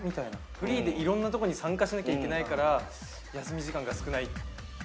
フリーでいろんなところに参加しなきゃいけないから、休み時間が少ない。